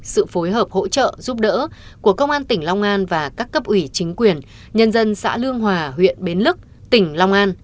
sự phối hợp hỗ trợ giúp đỡ của công an tỉnh long an và các cấp ủy chính quyền nhân dân xã lương hòa huyện bến lức tỉnh long an